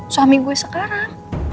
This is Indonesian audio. suami gue sekarang